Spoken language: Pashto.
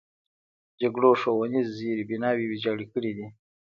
جګړو ښوونیز زیربناوې ویجاړې کړي دي.